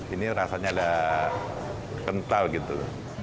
ini rasanya agak kental gitu